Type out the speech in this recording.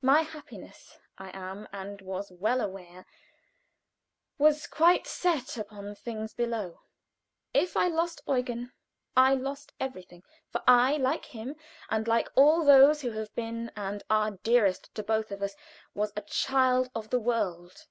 My happiness, I am and was well aware, was quite set upon things below; if I lost Eugen I lost everything, for I, like him, and like all those who have been and are dearest to both of us, was a Child of the World.